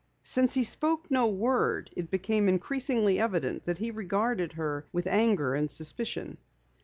Since he spoke no word, it became increasingly evident that he regarded her with anger and suspicion.